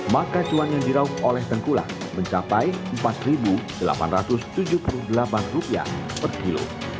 maka cuan yang dirauh oleh tengkulak mencapai rp empat delapan ratus tujuh puluh delapan per kilo